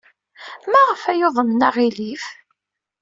Maɣef ay uḍnen aɣilif?